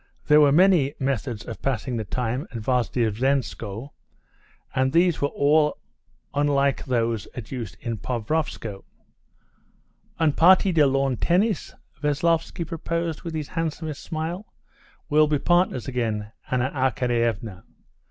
There were very many methods of passing the time at Vozdvizhenskoe, and these were all unlike those in use at Pokrovskoe. "Une partie de lawn tennis," Veslovsky proposed, with his handsome smile. "We'll be partners again, Anna Arkadyevna."